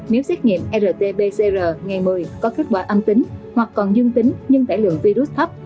nếu xét nghiệm rt pcr ngày một mươi có kết quả âm tính hoặc còn dương tính nhưng tải lượng virus thấp